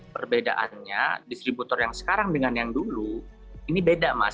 perbedaannya distributor yang sekarang dengan yang dulu ini beda mas